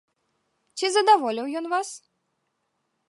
Ці задаволіў ён вас?